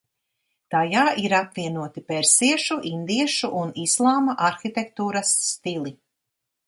Tajā ir apvienoti persiešu, indiešu un islāma arhitektūras stili.